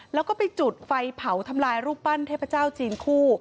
แล้วก็ไปจุดไฟเผาทำลายรูปปั้นเทพเจ้าจีนคู่